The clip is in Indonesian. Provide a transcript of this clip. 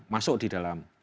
masuk di dalam